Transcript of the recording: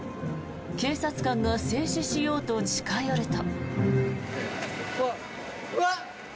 警察官が制止しようと近寄ると。